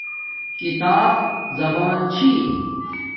کتاب زبان چھی